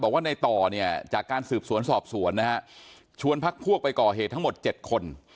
ว่าในต่อเนี่ยจากการสืบสวนสอบสวนนะฮะชวนพักพวกไปก่อเหตุทั้งหมด๗คน